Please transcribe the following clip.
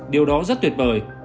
điều đó rất tuyệt vời